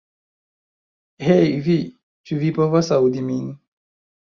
Hej vi, ĉu vi povas aŭdi min?